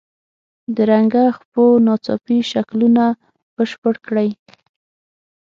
د رنګه خپو ناڅاپي شکلونه بشپړ کړئ.